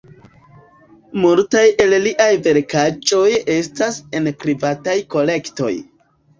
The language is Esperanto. Multaj el liaj verkaĵoj estas en privataj kolektoj.